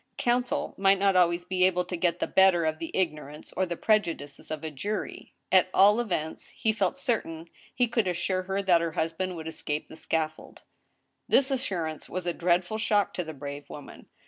Counsel might not always be able to get the better of the ignorance or the prejudices of a jury. At all events, he felt certain he could assure her that her husband would escape the scaffold. This assurance was a dreadful shock to the brave woman.